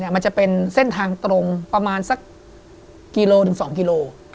มันจะเป็นเส้นทางตรงประมาณสักกิโลถึง๒กิโล